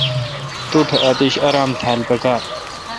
توٹھ اتش آرام تھال پکار۔